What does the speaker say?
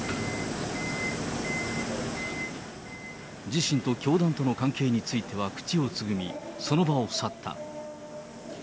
自身と教団との関係については口をつぐみ、その場を去った。